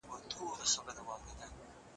د افغانستان لاسي صنايع څه ته ويل کيږي؟